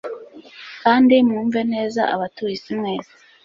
kandi mwumve neza, abatuye isi mwese